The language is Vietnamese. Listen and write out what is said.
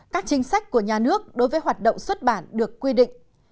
các chính sách của nhà nước đối với hoạt động xuất bản được quy định